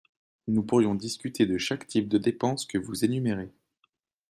Nous pourrions discuter de chaque type de dépenses que vous énumérez.